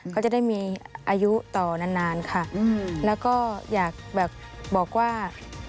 เขาจะได้มีอายุต่อนานค่ะแล้วก็อยากแบบบอกว่า